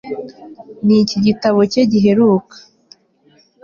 niki gitabo cye giheruka